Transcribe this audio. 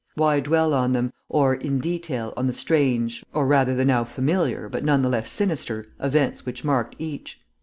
Why dwell on them, or, in detail, on the strange or rather the now familiar, but none the less sinister events which marked each?